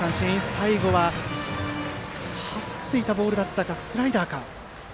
最後は挟んでいたボールだったかスライダーか。